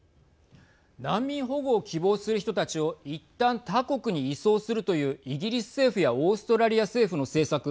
難民保護を希望する人たちをいったん他国に移送するというイギリス政府やオーストラリア政府の政策